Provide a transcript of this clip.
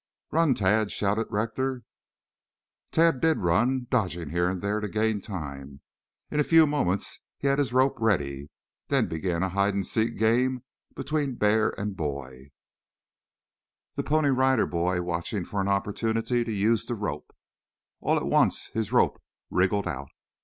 "Run, Tad!" shouted Rector. Tad did run, dodging here and there to gain time. In a few moments he had his rope ready, then began a hide and seek game between bear and boy, the Pony Rider Boy watching for an opportunity to use the rope. All at once his rope wriggled out.